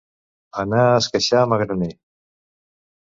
Anar a esqueixar magraner.